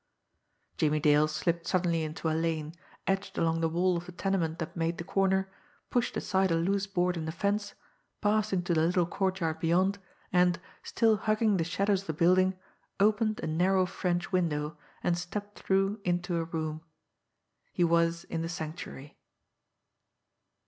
Jimmie Dale slipped suddenly into a lane, edged along the wall of the tenement that made the corner, pushed aside a loose board in the fence, passed into the little courtyard beyond, and, still hugging the shadows of the building, opened a narrow French window, and stepped through into a room. He was in the Sanctuary.